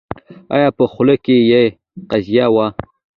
او په خوله کې يې قیضه وي